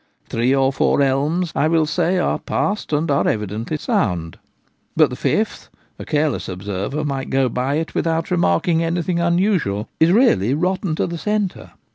Three or four elms, I will say, are passed, and are evidently sound ; but the fifth — a careless observer might go by it without remarking anything unusual — is really rotten to the centre.